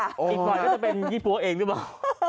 อีกไก่ก็จะเป็นพี่ปั๊วเองใช่ไหม